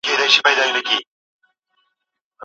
ټیکنالوژي د نویو اختراعاتو لپاره لاره هواروي.